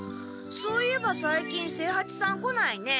そういえばさいきん清八さん来ないね。